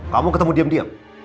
kamu ketemu diam diam